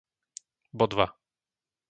Bodva